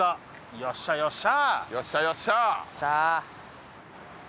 よっしゃよっしゃ！